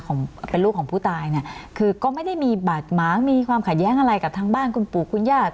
ของเป็นลูกของผู้ตายเนี่ยคือก็ไม่ได้มีบาดหมางมีความขัดแย้งอะไรกับทางบ้านคุณปู่คุณญาติ